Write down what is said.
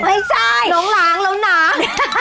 ไม่ใช่น้องล้างแล้วนะ